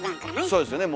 そうですね。